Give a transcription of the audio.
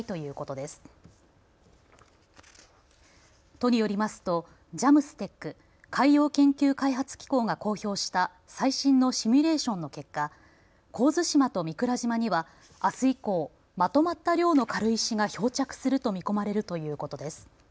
都によりますとＪＡＭＳＴＥＣ・海洋研究開発機構が公表した最新のシミュレーションの結果、神津島と御蔵島にはあす以降、まとまった量の軽石が漂着すると見込まれるということです。